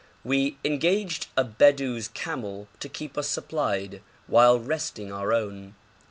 We engaged a Bedou's camel to keep us supplied, while resting our own.